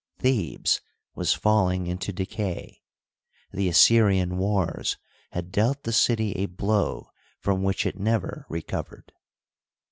Thebes was falling into decay ; the Assyrian wars had dealt the city a blow from which it never recovered.